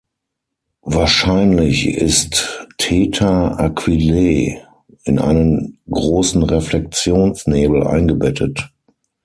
Wahrscheinlich ist Theta Aquilae in einen großen Reflexionsnebel eingebettet.